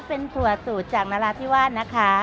เป็นถั่วสูตรจากนราธิวาสนะคะ